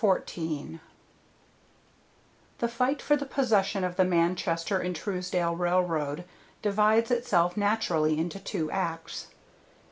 14 The fight for the possession of the Manchester and Truesdale Railroad divides itself naturally into two acts.